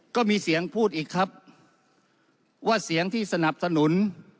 ก็มีเสียงพูดอีกครับว่าเสียงที่สนับสนุน